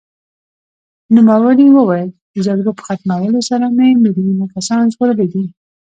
نوموړي وویل، د جګړو په ختمولو سره مې میلیونونه کسان ژغورلي دي.